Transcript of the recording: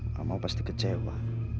mama pasti kecewa